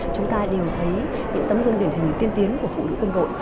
chúng ta đều thấy những tấm gương điển hình tiên tiến của phụ nữ quân đội